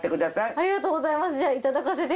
ありがとうございますじゃあ。